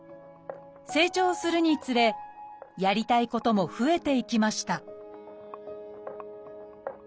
成長するにつれやりたいことも増えていきました